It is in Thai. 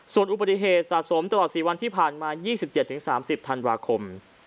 ส่วนอุบัติเหตุสะสมตลอด๔วันที่ผ่านมา๒๗๓๐ธันวาคม